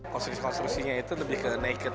konstruksi konstruksinya itu lebih ke naked